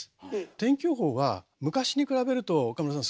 天気予報は昔に比べると岡村さん